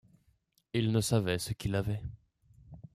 Il ne savait ce qu’il avait.